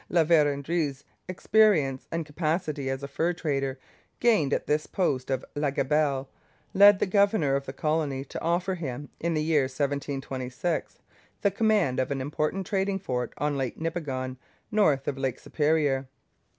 La Vérendrye's experience and capacity as a fur trader, gained at this post of La Gabelle, led the governor of the colony to offer him, in the year 1726, the command of an important trading fort on Lake Nipigon, north of Lake Superior.